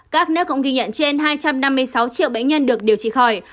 các nước cũng ghi nhận trên hai trăm năm mươi sáu triệu bệnh nhân được điều trị khỏi